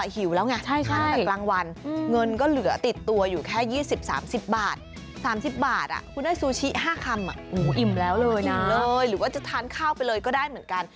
หรือว่าจะทานข้าวไปเลยก็ได้เหมือนกัน